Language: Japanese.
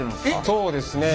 そうですね。